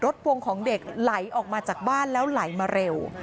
พวงของเด็กไหลออกมาจากบ้านแล้วไหลมาเร็ว